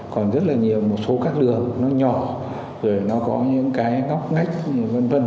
còn rất là nhiều một số các đường nó nhỏ rồi nó có những cái ngóc ngách v v